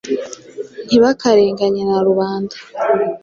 Ntibakarenganye na Rubanda !